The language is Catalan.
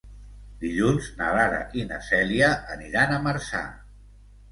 Dilluns na Lara i na Cèlia aniran a Marçà.